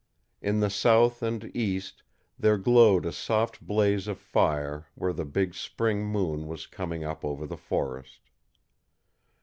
In the south and east there glowed a soft blaze of fire where the big spring moon was coming up over the forest.